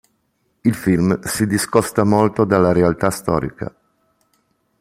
Il film si discosta molto dalla realtà storica.